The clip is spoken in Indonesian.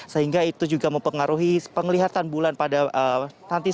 sehingga itu juga mempengaruhi penglihatan bulan pada nanti